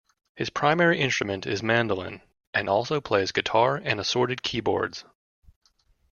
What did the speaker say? His primary instrument is mandolin, and also plays guitar and assorted keyboards.